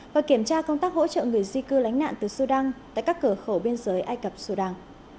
và kiểm tra công tác hỗ trợ người di cư lánh nạn từ sudan tại các cửa khẩu biên giới ai cập sudan